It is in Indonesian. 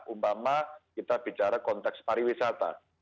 umpama kita bicara konteks pariwisata